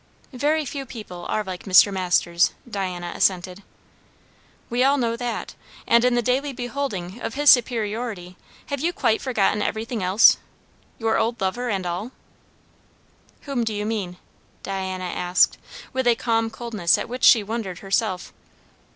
"Very few people are like Mr. Masters," Diana assented. "We all know that. And in the daily beholding of his superiority, have you quite forgotten everything else? your old lover and all?" "Whom do you mean?" Diana asked, with a calm coldness at which she wondered herself.